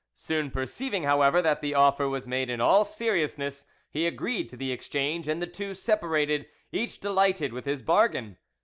Soon perceiving, however, that the offer was made in all seriousness, he agreed to the exchange, and the two separated, each delighted with his bargain.